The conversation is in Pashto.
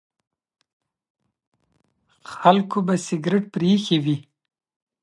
خلک به سګریټ پرېښی وي.